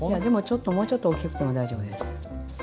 でもちょっともうちょっと大きくても大丈夫です。